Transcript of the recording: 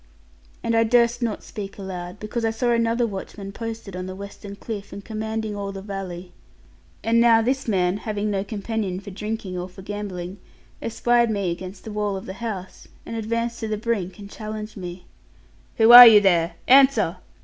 And I durst not speak aloud because I saw another watchman posted on the western cliff, and commanding all the valley. And now this man (having no companion for drinking or for gambling) espied me against the wall of the house, and advanced to the brink, and challenged me. 'Who are you there? Answer!